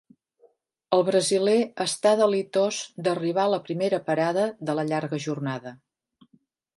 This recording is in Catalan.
El brasiler està delitós d'arribar a la primera parada de la llarga jornada.